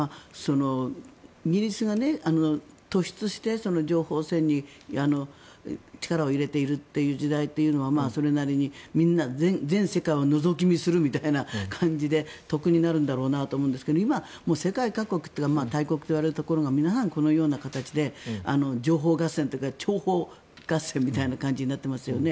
イギリスが突出して情報戦に力を入れているという時代というのはそれなりに全世界をのぞき見するみたいな感じで得になるんだろうなと思うんですが今、世界各国というか大国といわれるところが皆さんこのような形で情報合戦というか諜報合戦みたいな感じになってますよね。